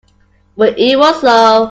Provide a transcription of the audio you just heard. But it was so.